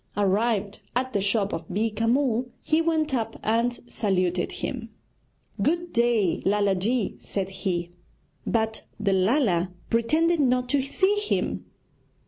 Arrived at the shop of Beeka Mull, he went up and saluted him. 'Good day, Lala ji,' said he. But the Lala pretended not to see him.